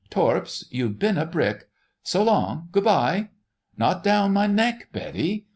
Torps, you've been a brick..... So long! Good bye! ... Not down my neck, Betty!